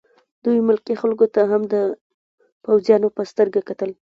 دوی ملکي خلکو ته هم د پوځیانو په سترګه کتل